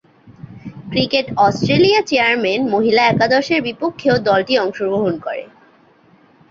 Cricket Australia chairman মহিলা একাদশের বিপক্ষেও দলটি অংশগ্রহণ করে।